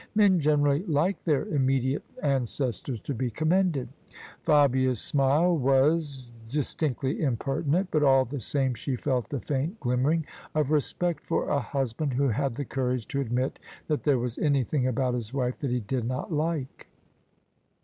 Men generally like their imme diate ancestors to be commended." Fabia's smile was dis OF ISABEL CARNABY tinctly impertinent: but all the same she felt a faint glim mering of respect for a husband who had the courage to admit that there was anything about his wife that he did not like.